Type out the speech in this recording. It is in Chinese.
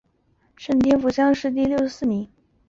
顺天府乡试第六十四名。